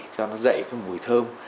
cho nó dậy cái mùi thơm